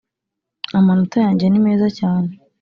amanota yanjye nimeza cyane.